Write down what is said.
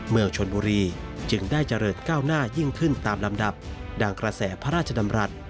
เมืองชนบุรีจึงได้เจริญก้าวหน้ายิ่งขึ้นตามลำดับดังกระแสพระราชดำรัฐ